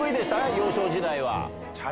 幼少時代は。